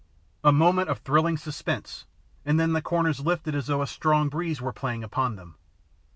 A moment of thrilling suspense and then the corners lifted as though a strong breeze were playing upon them.